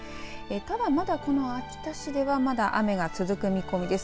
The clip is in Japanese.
ただまだこの秋田市では雨が続く見通しです。